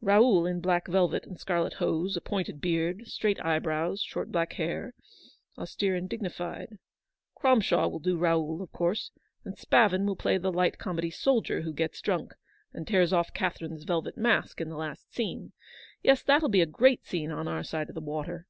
Raoul in black velvet and scarlet hose, a pointed beard, straight eye brows, short black hair, — austere and dignified. Cromshaw will do Raoul, of course; and Spavin will play the light comedy soldier who gets drunk, and tears off Catherine's velvet mask in the last scene. Yes, that'll be a great scene on our side of the water.